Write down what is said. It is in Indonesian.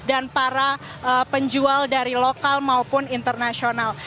dan para penjual dari lokal maupun internasional